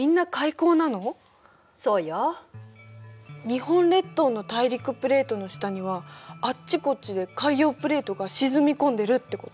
日本列島の大陸プレートの下にはあっちこっちで海洋プレートが沈み込んでるってこと？